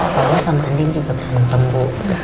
pak bos sama andien juga berantem bu